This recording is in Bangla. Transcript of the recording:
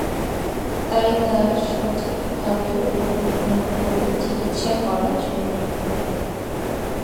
তাই তার সঠিকভাবে রোগ নির্ণয় করে চিকিৎসা করা জরুরী।